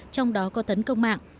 trong đó có tấn công mạng